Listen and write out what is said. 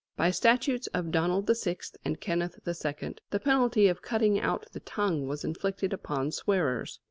By statutes of Donald VI. and Kenneth II., the penalty of cutting out the tongue was inflicted upon swearers.